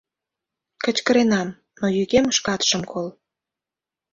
— Кычкыренам, но йӱкем шкат шым кол.